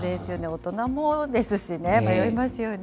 大人もですしね、迷いますよね。